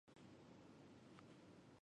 克罗梅日什总主教宫的主要驻地。